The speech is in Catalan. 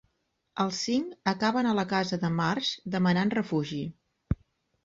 Els cinc acaben a la casa de Marsh, demanant refugi.